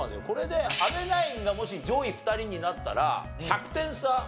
これで阿部ナインがもし上位２人になったら１００点差。